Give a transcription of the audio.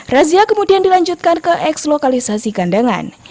razia kemudian dilanjutkan ke eks lokalisasi kandangan